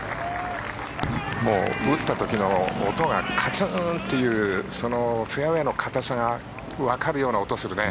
もう打った時の音がカツンというフェアウェーの硬さがわかるような音がするね。